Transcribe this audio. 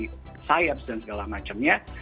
kemudian apply science dan segala macamnya